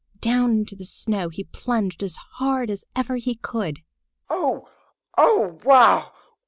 Down into the snow he plunged as hard as ever he could. "Oh! Oh! Wow!